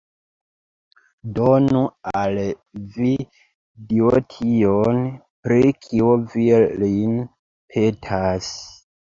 Donu al vi Dio tion, pri kio vi lin petas!